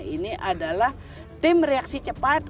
ini adalah tim reaksi cepat